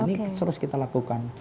ini terus kita lakukan